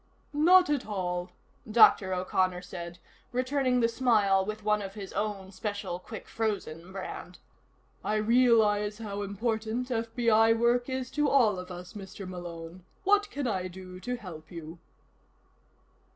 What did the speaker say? "Not at all," Dr. O'Connor said, returning the smile with one of his own special quick frozen brand. "I realize how important FBI work is to all of us, Mr. Malone. What can I do to help you?"